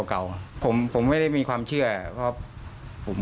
คงไม่เอาเหรอครับ